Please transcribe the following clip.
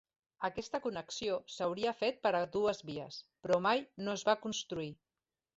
Aquesta connexió s'hauria fet per a dues vies, però mai no es va construir.